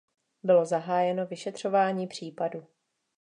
Bylo zahájeno vyšetřování případu.